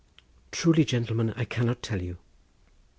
"Truly, gentleman, I cannot tell you."